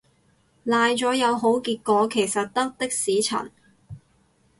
奶咗有好結果其實得的士陳